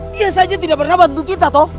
dia saja tidak pernah bantu kita toh